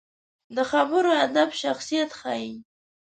د خبرو ادب شخصیت ښيي